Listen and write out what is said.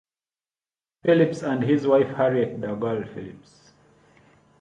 Phillips and his wife Harriet Dougall Phillips.